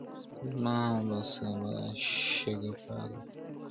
زه به سبا شګه پاک کړم.